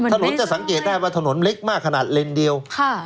ถนนจะสังเกตได้ว่าถนนเล็กมากขนาดเลนเดียว